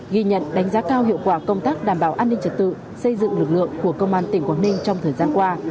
ghi nhận đánh giá cao hiệu quả công tác đảm bảo an ninh trật tự xây dựng lực lượng của công an tỉnh quảng ninh trong thời gian qua